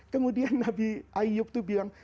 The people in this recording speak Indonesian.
kemudian nabi ayub itu bilang